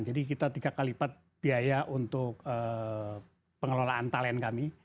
jadi kita tiga kali lipat biaya untuk pengelolaan talent kami